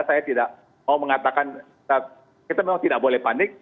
saya tidak mau mengatakan kita memang tidak boleh panik